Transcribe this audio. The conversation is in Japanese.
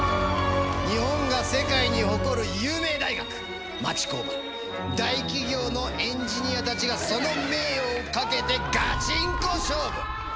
日本が世界に誇る有名大学町工場大企業のエンジニアたちがその名誉をかけてガチンコ勝負！